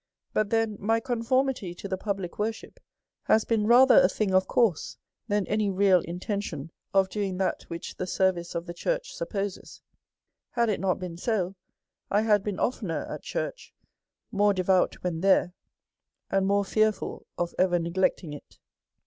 But then my conformity to the public worship has been rather a thing of course than any real intention of doing that which the service of the church suppo ses ; had it not been so, I had been oftener at churchy, more devout when there, and more fearful of ever neglecting it.